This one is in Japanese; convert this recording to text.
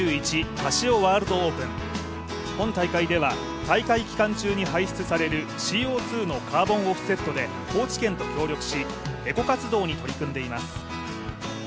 カシオワールドオープン本大会では大会期間中に排出されるＣＯ２のカーボンオフセットで高知県と協力しＥＣＯ活動に取り組んでいます。